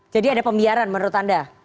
jadi ada pembiaran menurut anda